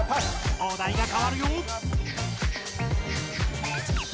お題がかわるよ！